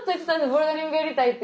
ボルダリングやりたいって。